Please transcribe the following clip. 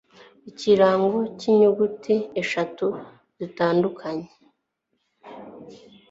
ikirango cy'inyuguti eshatu zitandukanye